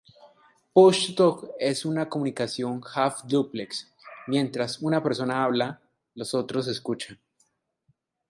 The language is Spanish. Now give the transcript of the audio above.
Push To Talk es una comunicación half-dúplex: mientras una persona habla, los otros escuchan.